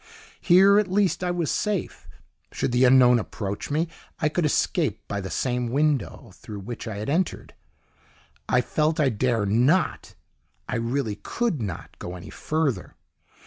Here, at least, I was safe! Should the Unknown approach me, I could escape by the same window through which I had entered. I felt I dare not! I really COULD not go any further.